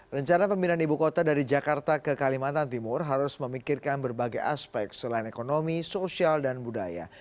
rencana pemindahan ibu kota dari jakarta ke kalimantan timur harus memikirkan berbagai aspek selain ekonomi sosial dan budaya